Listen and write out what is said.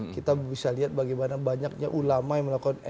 kita bisa lihat bagaimana banyaknya ulama yang melakukan